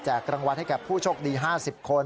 รางวัลให้แก่ผู้โชคดี๕๐คน